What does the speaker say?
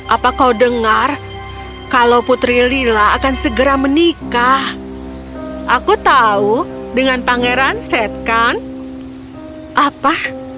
apa kau dengar kalau putri lila akan segera menikah aku tahu dengan pangeran set kan apa